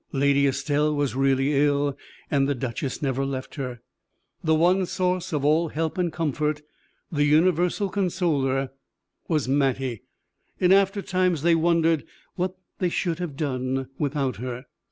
Lady Estelle was really ill, and the duchess never left her. The one source of all help and comfort, the universal consoler, was Mattie; in after times they wondered what they should have done without her.